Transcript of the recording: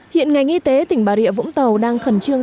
hiện ngành y tế tỉnh bà rịa vũng tàu đang khẩn trương